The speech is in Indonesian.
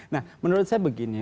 nah menurut saya begini